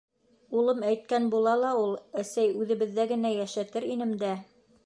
Улым әйткән була ла ул: «Әсәй, үҙебеҙҙә генә йәшәтер инем дә...»